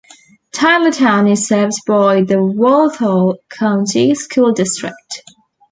Tylertown is served by the Walthall County School District.